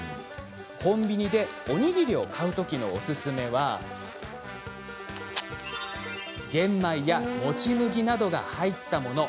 コンビニでおにぎりを買う時のおすすめは玄米や、もち麦などが入ったもの。